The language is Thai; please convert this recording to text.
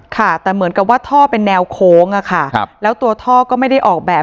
ค่ะแต่เหมือนกับว่าท่อเป็นแนวโค้งอะค่ะแล้วตัวท่อก็ไม่ได้ออกแบบ